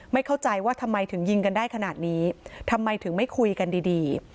เข้าใจว่าทำไมถึงยิงกันได้ขนาดนี้ทำไมถึงไม่คุยกันดีดี